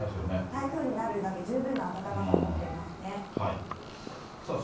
台風になるだけ十分な暖かさを持っていますね。